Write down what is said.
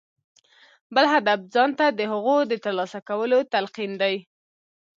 بل هدف ځان ته د هغو د ترلاسه کولو تلقين دی.